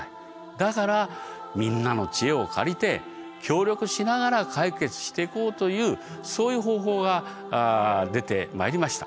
だからみんなの知恵を借りて協力しながら解決していこうというそういう方法が出てまいりました。